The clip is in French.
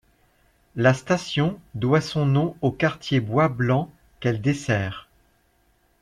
La station doit son nom au quartier Bois Blancs qu'elle dessert.